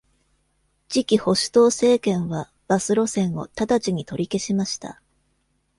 次期保守党政権はバス路線を直ちに取り消しました。